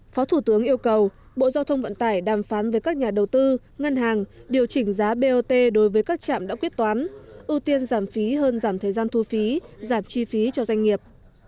phó thủ tướng yêu cầu bộ giao thông vận tải đàm phán với các nhà đầu tư ngân hàng điều chỉnh giá bot đối với các trạm đã quyết toán ưu tiên giảm phí hơn giảm thời gian thu phí giảm chi phí cho doanh nghiệp